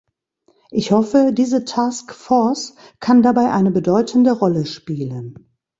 Ich hoffe, diese Task Force kann dabei eine bedeutende Rolle spielen.